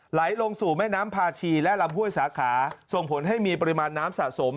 ไหลลงสู่แม่น้ำพาชีและลำห้วยสาขาส่งผลให้มีปริมาณน้ำสะสม